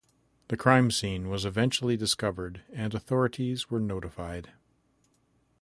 The crime scene was eventually discovered and authorities were notified.